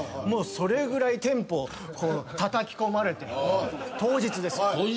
もうそれぐらいテンポをたたき込まれて当日です。